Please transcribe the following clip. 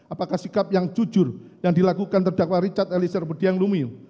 apakah sikap yang jujur yang dilakukan terdakwa richard eliezer budianglumiu